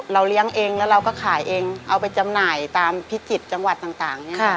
เลี้ยงเองแล้วเราก็ขายเองเอาไปจำหน่ายตามพิจิตรจังหวัดต่างเนี่ยค่ะ